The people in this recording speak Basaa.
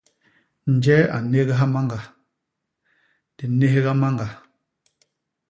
Nje a nnégha mañga? Di nnégha mañga.